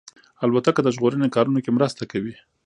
الوتکه د ژغورنې کارونو کې مرسته کوي.